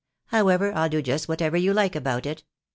However, I'll do just what ever you Hke about it.